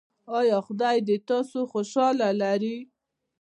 ایا خدای دې تاسو خوشحاله لري؟